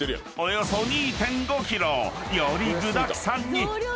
［より具だくさんに！］